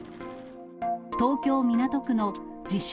東京・港区の自称